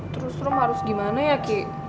terus rom harus gimana ya aki